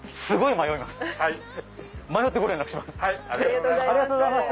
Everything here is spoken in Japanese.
迷ってご連絡します。